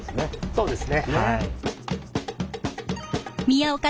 そうです。